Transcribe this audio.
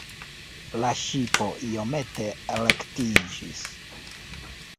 La ŝipo iomete rektiĝis.